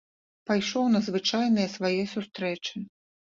Пайшоў на звычайныя свае сустрэчы.